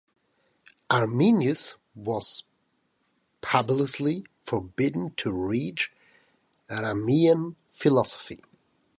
Arminius was publicly forbidden to teach Ramean philosophy.